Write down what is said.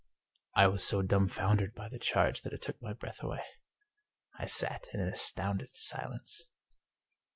I was so dumfoundered by the charge that it took my breath away. I sat in astounded silence.